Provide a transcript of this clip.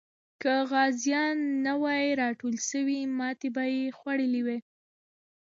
که غازیان نه وای راټول سوي، ماتې به یې خوړلې وه.